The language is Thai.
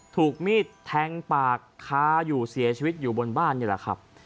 ถูกมีดแทงปากค้าอยู่เสียชีวิตอยู่บนบ้านนี่แหละครับ